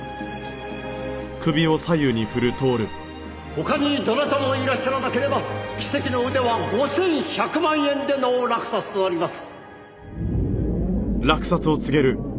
「他にどなたもいらっしゃらなければ奇跡の腕は５１００万円での落札となります」